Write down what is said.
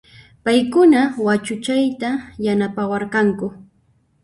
Payquna wachuchayta yanapawarqanku